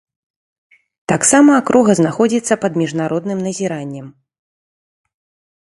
Таксама акруга знаходзіцца пад міжнародным назіраннем.